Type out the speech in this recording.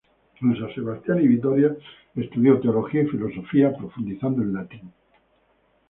En San Sebastián y Vitoria estudio teología y filosofía profundizando en latín.